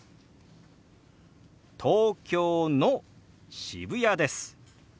「東京の渋谷です」。